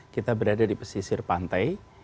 kita berada di pesisir pantai